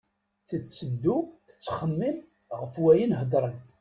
Tetteddu tettxemmim ɣef wayen hedren.